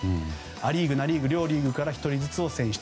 ア・リーグ、ナ・リーグ両リーグから１人を選出。